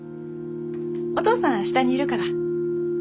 お父さん下にいるから。